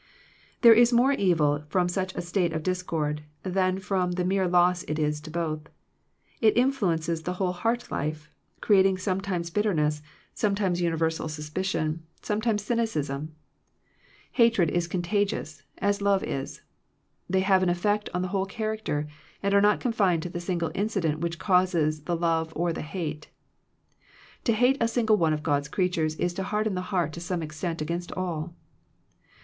There is more evil from such a state of discord than the mere loss it is to both; it influences the whole heart life, creat ing sometimes bitterness, sometimes uni' 176 Digitized by VjOOQIC THE RENEWING OF FRIENDSHIP versal suspicion, sometimes cynicism. Hatred is contagious, as love is. They have an effect on the whole character, dnd are not confined to the single inci* dent which causes the love or the hate. To hate a single one of God's creatures is to harden the heart to some extent against all.